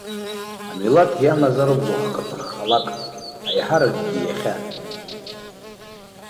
Амилаҭ иамазароуп зуахкы аҭаххалак, аиҳаракгьы иахьа!